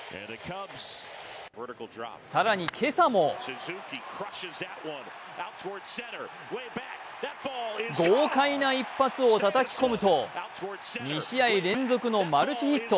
更に今朝も豪快な一発をたたき込むと２試合連続のマルチヒット。